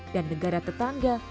dan negara tetangga